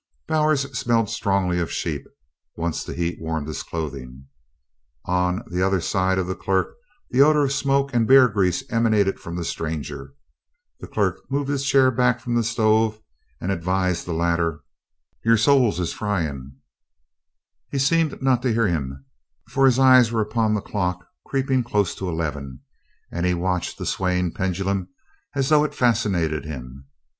Bowers smelled strongly of sheep, once the heat warmed his clothing. On the other side of the clerk the odor of smoke and bear grease emanated from the stranger. The clerk moved his chair back from the stove and advised the latter: "Your soles is fryin'." He seemed not to hear him, for his eyes were upon the clock creeping close to eleven, and he watched the swaying pendulum as though it fascinated him.